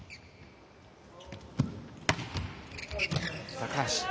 高橋。